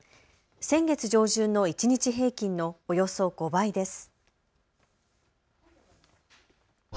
先月上旬の一日平均のおよそ５倍です。